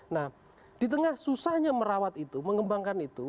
nah di tengah susahnya merawat itu mengembangkan itu